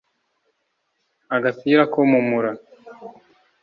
Agapira ko mu mura